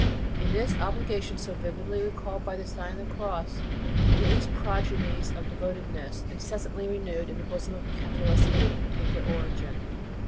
In this obligation, so vividly recalled by the Sign of the Cross, do those prodigies of devotedness, incessantly renewed in the bosom of Catholicity, take their origin.